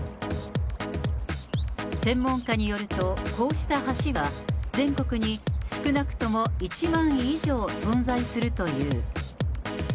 専門家によると、こうした橋は、全国に少なくとも１万以上存在するという。